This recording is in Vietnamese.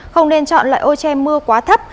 không nên chọn loại ô che mưa quá thấp